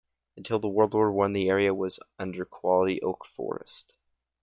Until the World War One, the area was under quality oak forest.